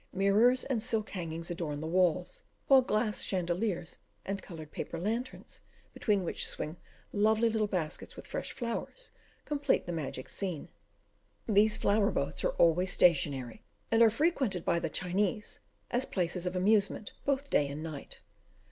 Mirrors and silk hangings adorn the walls, while glass chandeliers and coloured paper lanterns, between which swing lovely little baskets with fresh flowers, complete the magic scene. These flower boats are always stationary, and are frequented by the Chinese as places of amusement, both by day and night.